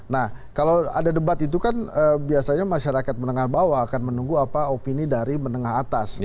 nah kalau ada debat itu kan biasanya masyarakat menengah bawah akan menunggu apa opini dari menengah atas